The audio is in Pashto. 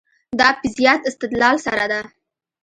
دا په زیات استدلال سره ده.